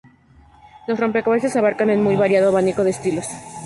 Los rompecabezas abarcan un muy variado abanico de estilos.